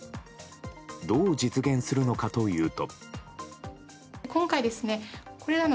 どう実現するのかというと。